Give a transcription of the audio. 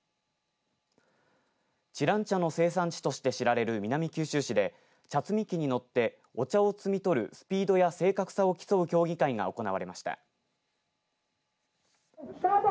知覧茶の生産地として知られる南九州市で茶摘み機に乗ってお茶を摘み取るスピードや正確さを行う競技会が行われました。